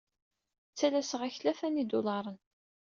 Ttalaseɣ-ak tlata n yidulaṛen.